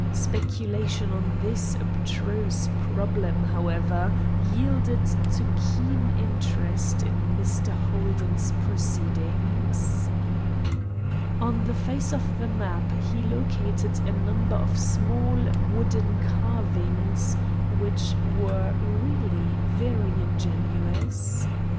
Speculation on this abstruse problem, however, yielded to keen interest in Mr. Holden's proceedings. On the face of the map he located a number of small wooden carvings, which were really very ingenious.